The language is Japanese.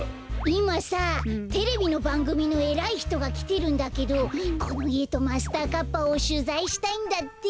いまさテレビのばんぐみのえらいひとがきてるんだけどこのいえとマスターカッパをしゅざいしたいんだって。